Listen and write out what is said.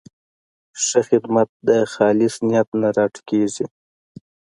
ښه خدمت د خالص نیت نه راټوکېږي.